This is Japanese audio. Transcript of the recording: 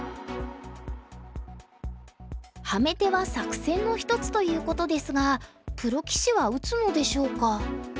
ハメ手は作戦の一つということですがプロ棋士は打つのでしょうか？